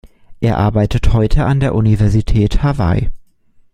Er arbeitet heute an der Universität Hawaii.